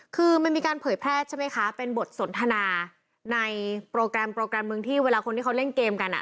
คือมันมีการเผยแพร่ใช่ไหมคะเป็นบทสนทนาในโปรแกรมโปรแกรมเมืองที่เวลาคนที่เขาเล่นเกมกันอ่ะ